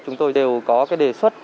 chúng tôi đều có cái đề xuất